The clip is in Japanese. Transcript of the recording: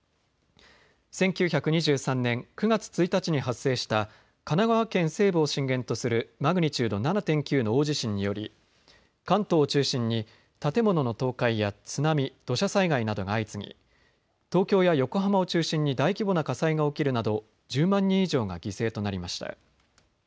１９２３年９月１日に発生した神奈川県西部を震源とするマグニチュード７．９の大地震により関東を中心に建物の倒壊や津波、土砂災害などが相次ぎ東京や横浜を中心に大規模な火災が起きるなど１０万人以上が犠牲となりました。